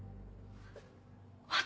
私？